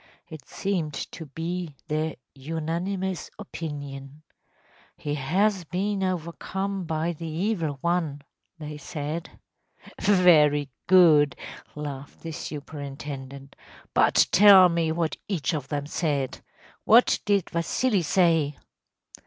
“It seemed to be their unanimous opinion. ‚ÄėHe has been overcome by the Evil One,’ they said.‚ÄĚ “Very good,‚ÄĚ laughed the superintendent; “but tell me what each of them said. What did Vasili say?